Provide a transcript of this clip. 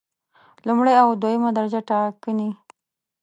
لومړی او دویمه درجه ټاکنې